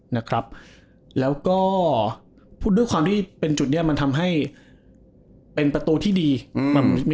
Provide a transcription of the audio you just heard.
นะครับแล้วก็พูดด้วยความที่เป็นจุดเนี้ยมันทำให้เป็นประตูที่ดีอืม